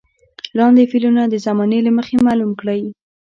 لاندې فعلونه د زمانې له مخې معلوم کړئ.